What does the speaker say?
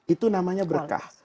itu namanya berkah